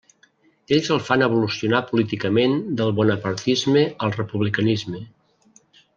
Ells el fan evolucionar políticament del bonapartisme al republicanisme.